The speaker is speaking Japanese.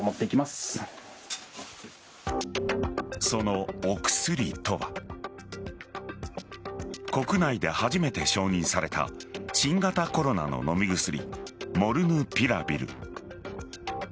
そのお薬とは国内で初めて承認された新型コロナの飲み薬モルヌピラビル。